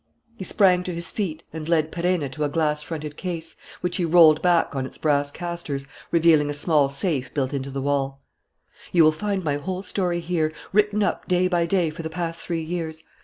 He sprang to his feet and led Perenna to a glass fronted case, which he rolled back on its brass castors, revealing a small safe built into the wall. "You will find my whole story here, written up day by day for the past three years.